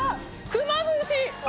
クマムシ！